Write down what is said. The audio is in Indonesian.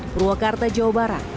purwakarta jawa barat